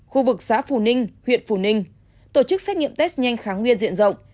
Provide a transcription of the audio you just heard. khu vực xã phù ninh huyện phù ninh tổ chức xét nghiệm test nhanh kháng nguyên diện rộng